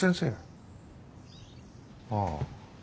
ああ。